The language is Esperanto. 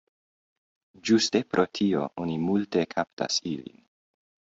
Ĝuste pro tio oni multe kaptas ilin.